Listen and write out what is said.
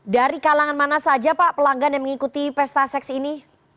dari kalangan mana saja pak pelanggan yang mengikuti pesta seks ini